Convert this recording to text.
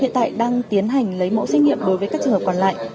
hiện tại đang tiến hành lấy mẫu xét nghiệm đối với các trường hợp còn lại